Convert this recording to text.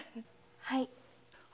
はい。